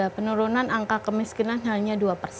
penurunan angka kemiskinan hanya dua persen